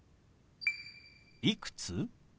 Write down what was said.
「いくつ？」。